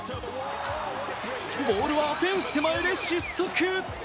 ボールはフェンス手前で失速！